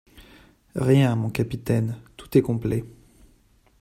Rien, mon capitaine, tout est complet.